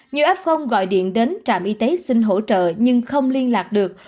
nhiều f gọi điện đến trạm y tế xin hỗ trợ nhưng không liên lạc được